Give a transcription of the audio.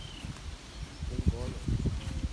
تم کون ہو؟